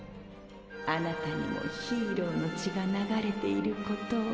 貴方にもヒーローの血が流れていることを。